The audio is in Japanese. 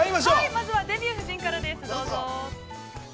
まずは「デビュー夫人」からです、どうぞ。